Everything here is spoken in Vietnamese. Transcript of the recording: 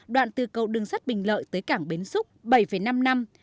đoạn từ cầu đường sắt bình lợi tới cảng bến xúc bảy năm năm